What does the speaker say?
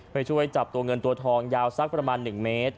ไปช่วยจับตัวเงินตัวทองยาวสักประมาณ๑เมตร